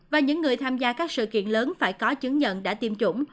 và những người tham gia các sự kiện lớn phải có chứng nhận đã tiêm chủng